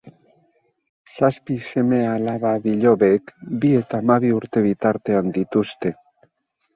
Zazpi seme-alaba-bilobek bi eta hamabi urte bitartean dituzte.